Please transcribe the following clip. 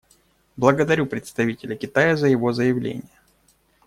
Благодарю представителя Китая за его заявление.